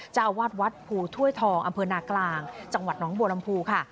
เจ้าอวาทวัดผูต้วยทองอนกลางจังหวัดนองบัวลำภูค่ะ